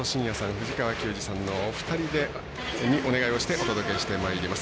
藤川球児さんのお二人にお願いをしてお伝えしてまいります。